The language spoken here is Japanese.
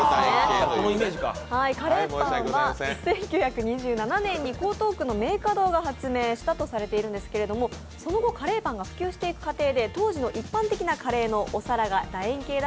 カレーパンは１９２７年に江東区の名花堂が発明したとされているんですけれどもその後カレーパンが普及していく過程で当時の一般的なカレーの皿がだ